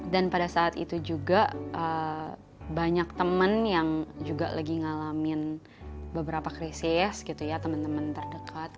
dan pada saat itu juga banyak temen yang juga lagi ngalamin beberapa krisis gitu ya temen temen terdekat